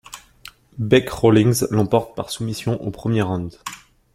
Bec Rawlings l'emporte par soumission au premier round.